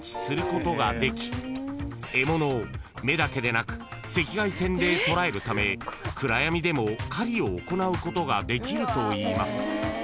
［獲物を目だけでなく赤外線でとらえるため暗闇でも狩りを行うことができるといいます］